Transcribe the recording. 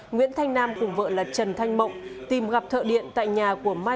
nguyễn thanh nam cùng vợ là trần thanh mộng tìm gặp thợ điện tại nhà của mai